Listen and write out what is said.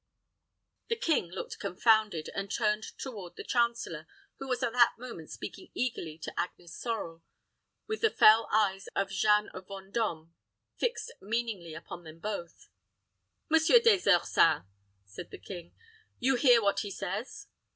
The king looked confounded, and turned toward the chancellor, who was at that moment speaking eagerly to Agnes Sorel, with the fell eyes of Jeanne of Vendôme fixed meaningly upon them both. "Monsieur Des Ursins," said the king, "you hear what he says."